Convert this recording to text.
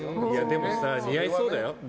でもさ、似合いそうだよ。